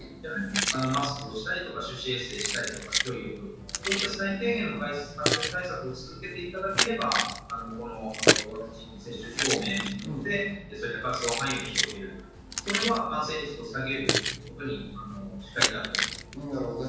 マスクをしたり手指衛生をしたり、距離を取る、こういった最低限の感染対策を続けていただければワクチン接種証明などで活動範囲を広げる、それは感染率を下げることになると思います。